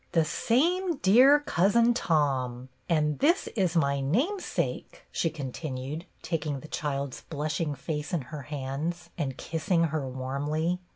" The same dear Cousin Tom. And this, is my name sake," she continued, taking the child's blushing' face in her hands and kissing her warmly.